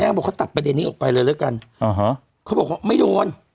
เขาบอกเขาตัดประเด็นนี้ออกไปเลยแล้วกันอ่าฮะเขาบอกว่าไม่โดน